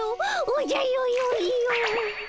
おじゃよよよ。